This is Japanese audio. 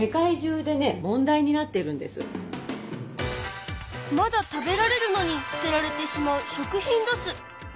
実はまだ食べられるのに捨てられてしまう食品ロス。